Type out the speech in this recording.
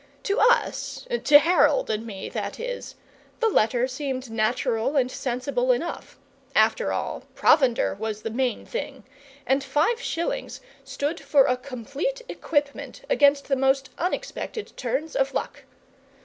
To us to Harold and me, that is the letter seemed natural and sensible enough. After all, provender was the main thing, and five shillings stood for a complete equipment against the most unexpected turns of luck.